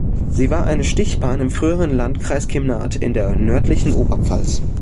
Sie war eine Stichbahn im früheren Landkreis Kemnath in der nördlichen Oberpfalz.